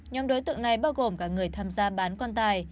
nhóm đối tượng này bao gồm cả người tham gia bán quan tài